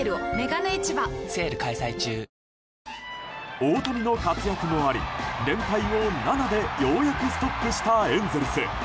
大谷の活躍もあり、連敗を７でようやくストップしたエンゼルス。